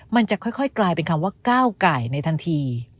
มันจะค่อยกลายเป็นคำว่าก้าวไก่ในทันที